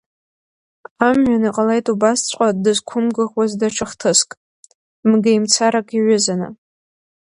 Амҩан иҟалеит убасҵәҟьа дызқәымгәыӷуаз даҽа хҭыск, мгеимцарак иаҩызаны.